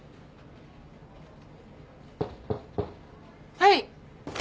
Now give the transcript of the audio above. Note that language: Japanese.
・はい。